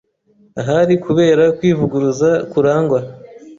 Ahari kubera kwivuguruza kurangwa